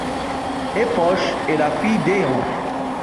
Epoch est la fille d’Eon.